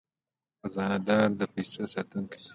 خزانه دار د پیسو ساتونکی دی